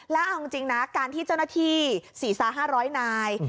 แล้วเอาจริงนะการที่เจ้าหน้าที่๔๕๐๐นาย